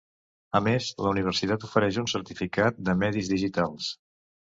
A més, la universitat ofereix un certificat de Medis digitals.